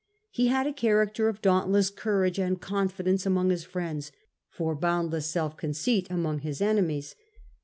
He had a cha racter for dauntless courage and confidence among Ms friends ; for boundless self conceit among Ms ene mies.